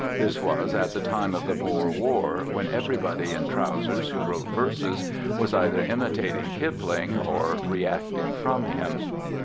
This was at the time of the Boer War, when everybody in trousers who wrote verses was either imitating Kipling or reacting from him.